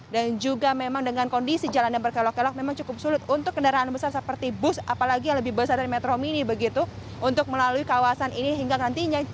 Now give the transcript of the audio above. dan juga memang dengan kondisi jalan yang berkelok kelok memang cukup sulit untuk kendaraan besar seperti bus apalagi yang lebih besar dari metro mini begitu untuk melalui kawasan ini hingga nantinya